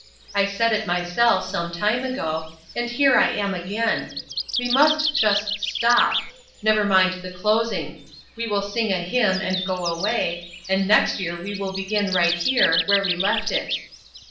I said it myself, some time ago, and here I am again: we must just stop, never mind the closing; we will ring a hymn, and go away, and next year we will begin right here, where we left it."